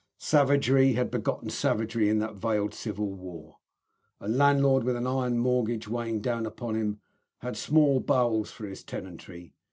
Savagery had begotten savagery in that veiled civil war. A landlord with an iron mortgage weighing down upon him had small bowels for his tenantry.